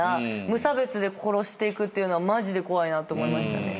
無差別で殺していくっていうのはマジで怖いなと思いましたね。